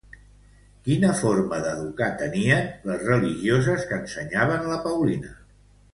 Quina forma d'educar tenien les religioses que ensenyaven la Paulina?